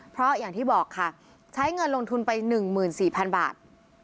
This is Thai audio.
เพราะอย่างที่บอกค่ะใช้เงินลงทุนไปหนึ่งหมื่นสี่พันบาท